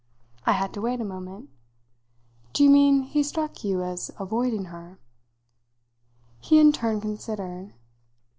I had to wait a moment. "Do you mean he struck you as avoiding her?" He in turn considered.